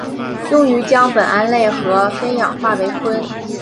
用于将苯胺类和酚氧化为醌。